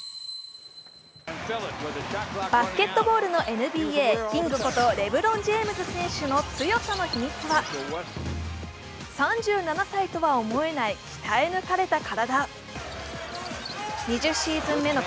バスケットボールのＮＢＡ、キングことレブロン・ジェームズ選手の強さの秘密は３７歳とは思えない鍛え抜かれた体。